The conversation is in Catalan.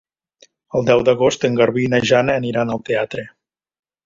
El deu d'agost en Garbí i na Jana aniran al teatre.